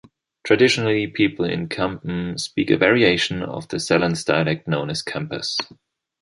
Traditionally people in Kampen speak a variation of the Sallands dialect, known as Kampers.